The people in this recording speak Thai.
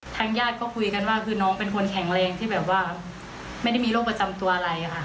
ทางญาติก็คุยกันว่าคือน้องเป็นคนแข็งแรงที่แบบว่าไม่ได้มีโรคประจำตัวอะไรค่ะ